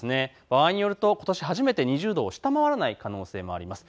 場合によると初めて２０度を下回らない可能性もあります。